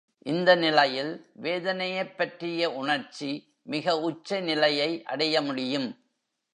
இந்த நிலையில் வேதனையைப் பற்றிய உணர்ச்சி மிக உச்ச நிலையை அடைய முடியும்.